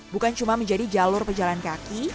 bukan cuma menjadi jalur pejalan kaki